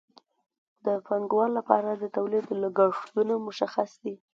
د پانګوال لپاره د تولید لګښتونه مشخص دي